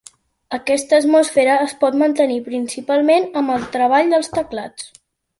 Aquesta atmosfera es pot mantenir principalment amb el treball dels teclats.